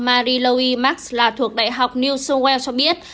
marie louis marx là thuộc đại học new south wales cho biết